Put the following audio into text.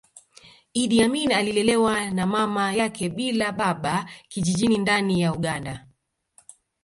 Iddi Amin alilelewa na mama yake bila baba kijijini ndani ya Uganda